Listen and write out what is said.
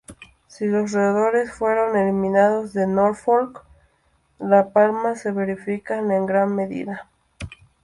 Si los roedores fueran eliminados de Norfolk, la palma se beneficiarían en gran medida.